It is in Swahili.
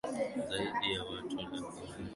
Zaidi ya watu laki nne hutegemea sekta hii